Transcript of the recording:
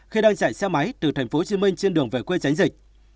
khi đang chạy xe máy từ thành phố hồ chí minh trên đường về quê tránh dịch